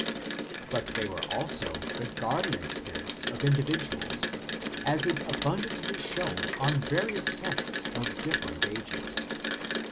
But they were also the guardian spirits of indi viduals, as is abundantly shown on various texts of different ages.